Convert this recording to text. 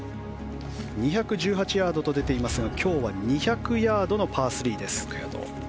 ２１８ヤードと出ていますが今日は２００ヤードのパー３。